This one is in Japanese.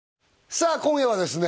さあ今夜はですね